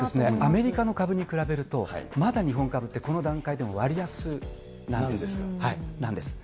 アメリカの株に比べると、まだ日本株ってこの段階でも割安なんですよ。